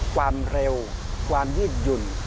ความเร็วความยืดหยุ่น